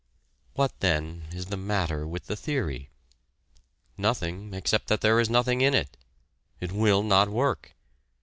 What, then, is the matter with the theory? Nothing, except that there is nothing in it it will not work.